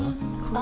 あ！